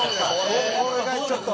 これがちょっと。